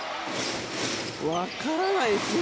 わからないですね。